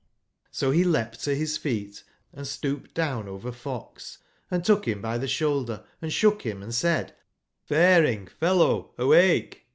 So he leapt to his feet & stooped down over fox, and took him by the shoulder, and shook him and said: ''faring/ fellow, awake!